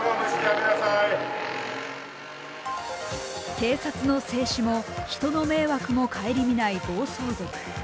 警察の制止も人の迷惑も顧みない暴走族。